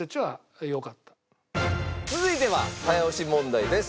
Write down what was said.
続いては早押し問題です。